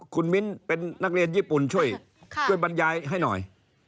คุณมิ้นเป็นนักเรียนญี่ปุ่นช่วยบรรยายให้หน่อย